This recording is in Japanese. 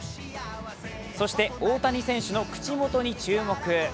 そして大谷選手の口元に注目。